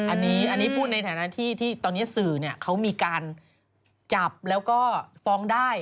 อันนี้พูดในฐานะที่ตอนนี้สื่อเขามีการจับแล้วก็ฟ้องได้